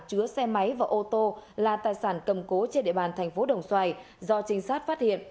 chứa xe máy và ô tô là tài sản cầm cố trên địa bàn thành phố đồng xoài do trinh sát phát hiện